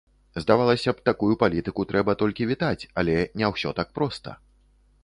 Здавалася б, такую палітыку трэба толькі вітаць, але не ўсё так проста.